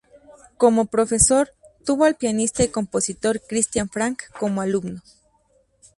Como profesor, tuvo al pianista y compositor Christian Frank como alumno.